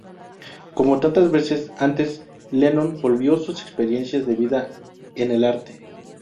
Como tantas veces antes, Lennon volvió sus experiencias de vida en el arte.